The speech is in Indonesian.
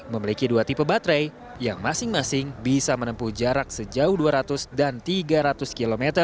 memiliki dua tipe baterai yang masing masing bisa menempuh jarak sejauh dua ratus dan tiga ratus km